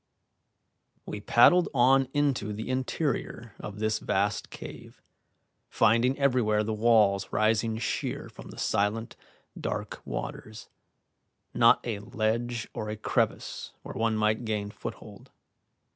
We paddled on into the interior of this vast cave, finding everywhere the walls rising sheer from the silent, dark waters, not a ledge or a crevice where one might gain foothold.